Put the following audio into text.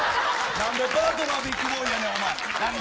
なんでパートナービッグボーイやねん。